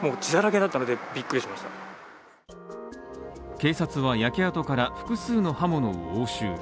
警察は焼け跡から複数の刃物を押収。